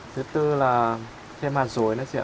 thứ tư là thêm hạt rối nữa chị ạ